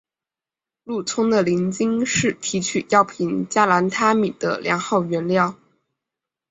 鹿葱的鳞茎是提取药品加兰他敏的良好原料。